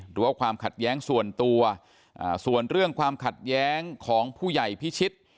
หรือว่าความขัดแย้งส่วนตัวส่วนเรื่องความขัดแย้งของผู้ใหญ่พิชิต